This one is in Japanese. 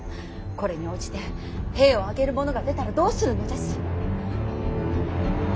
これに応じて兵を挙げる者が出たらどうするのです。